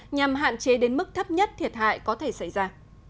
nhằm hạn chế đến mức thấp nhất thiệt hại có thể xảy ra